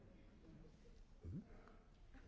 「うん？」。